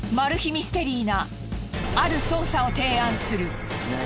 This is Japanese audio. ミステリーなある捜査を提案する。